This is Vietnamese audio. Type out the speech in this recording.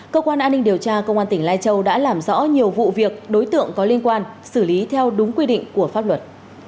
cơ quan an ninh điều tra công an tỉnh lai châu đã làm rõ nhiều vụ việc đối tượng có liên quan xử lý theo đúng quy định của pháp luật